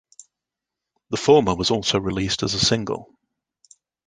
The former was also released as a single.